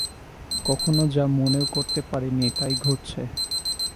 কখনো যা মনেও করতে পারি নি তাই ঘটছে।